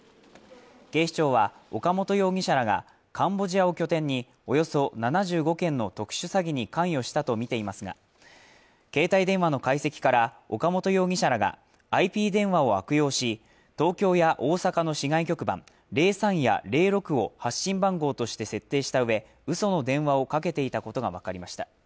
警視庁は岡本容疑者らがカンボジアを拠点に、およそ７５件の特殊詐欺に関与したとみていますが、携帯電話の解析から、岡本容疑者らがＩＰ電話を悪用し、東京や大阪の市外局番０３や０６を発信番号として設定した上、嘘の電話をかけていたことがわかりました。